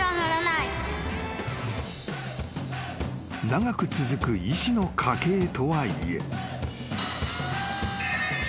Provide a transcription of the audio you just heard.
［長く続く医師の家系とはいえ］